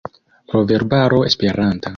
Proverbaro esperanta.